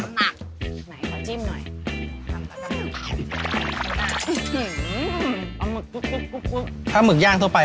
ถ้าปลาหมึกย่างทั่วไป